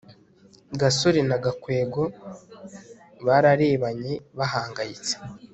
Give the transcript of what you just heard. gasore na gakwego bararebanye bahangayitse